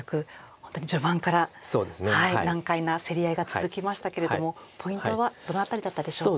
本当に序盤から難解な競り合いが続きましたけれどもポイントはどの辺りだったでしょうか？